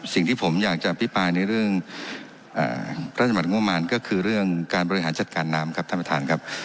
สิ่งที่ผมอยากจะอภิปรายในเรื่องพระราชบัติงบประมาณงบมารก็คือเรื่องการบริหารจัดการน้ำครับท่านประธานครับ